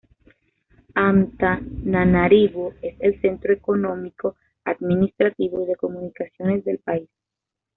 Antananarivo es el centro económico, administrativo y de comunicaciones del país.